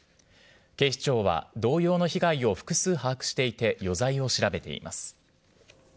警視庁は同様の被害を複数把握していて、余罪を調べています。